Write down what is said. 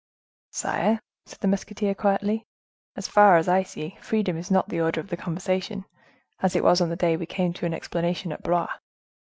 "Sire," said the musketeer, quietly, "as far as I see, freedom is not the order of the conversation, as it was on the day we came to an explanation at Blois."